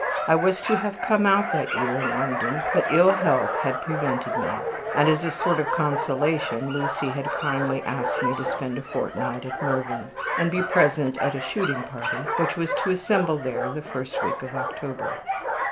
I was to have come out that year in London, but ill health had prevented me; and as a sort of consolation Lucy had kindly asked me to spend a fortnight at Mervyn, and be present at a shooting party, which was to assemble there in the first week of October.